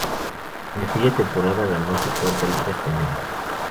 En aquella temporada ganó su cuarta Liga española.